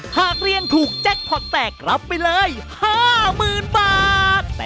หากเรียนถูกแจ็คพอร์ตแตกรับไปเลย๕๐๐๐๐บาท